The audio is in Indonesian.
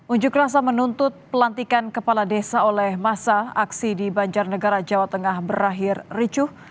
unjuk rasa menuntut pelantikan kepala desa oleh masa aksi di banjarnegara jawa tengah berakhir ricuh